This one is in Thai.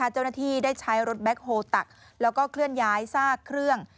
เจ้าหน้าที่ได้ใช้รถแบ็คโฮลตักแล้วก็เคลื่อนย้ายซากเครื่อง